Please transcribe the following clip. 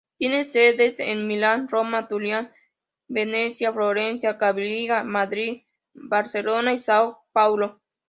Tiene sedes en Milán, Roma, Turín, Venecia, Florencia, Cagliari, Madrid, Barcelona y São Paulo.